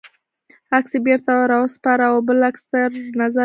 عکس یې بېرته را و سپاره او بل عکس یې تر نظر لاندې ونیوه.